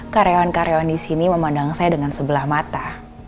karyawan karyawan disini memandang saya dengan sebelah mata